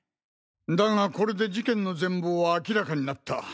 だがこれで事件の全貌は明らかになった。